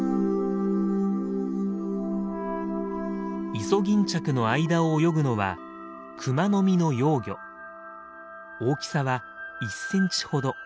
イソギンチャクの間を泳ぐのは大きさは１センチほど。